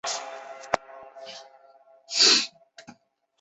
单离合器半自动变速器构造简单但最大的缺点在于换挡冲击。